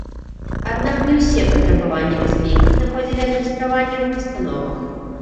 Аднак не ўсе патрабаванні бяспекі знаходзілі адлюстраванне ў пастановах.